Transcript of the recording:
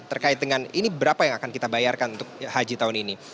terkait dengan ini berapa yang akan kita bayarkan untuk haji tahun ini